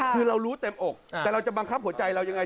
คือเรารู้เต็มอกแต่เราจะบังคับหัวใจเรายังไง